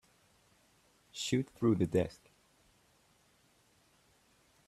Shoot through the desk.